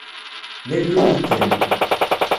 D agrud kan.